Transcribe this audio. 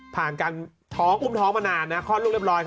ผ่านการท้องอุ้มท้องมานานนะคลอดลูกเรียบร้อย